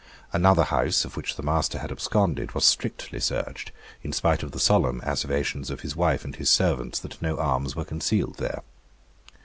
Another house, of which the master had absconded, was strictly searched, in spite of the solemn asseverations of his wife and his servants that no arms were concealed there.